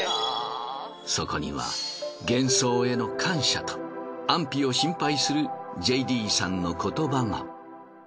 そこには幻創への感謝と安否を心配するＪＤさんの言葉が。